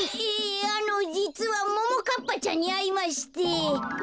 ええあのじつはももかっぱちゃんにあいまして。